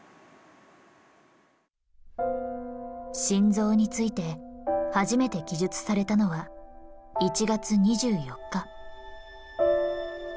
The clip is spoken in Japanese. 心臓について初めて記述されたのは１月２４日。